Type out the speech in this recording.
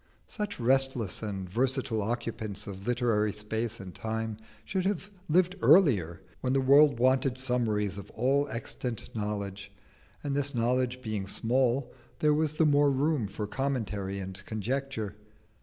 Such restless and versatile occupants of literary space and time should have lived earlier when the world wanted summaries of all extant knowledge, and this knowledge being small, there was the more room for commentary and conjecture.